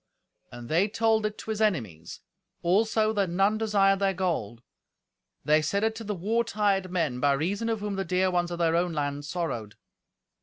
And they told it to his enemies; also that none desired their gold. They said it to the war tired men, by reason of whom the dear ones of their own land sorrowed.